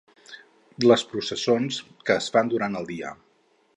Les processons que es fan durant el dia.